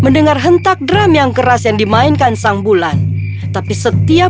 dia suka tidur sepanjang waktu